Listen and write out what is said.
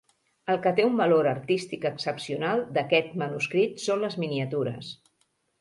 El que té un valor artístic excepcional d'aquest manuscrit són les miniatures.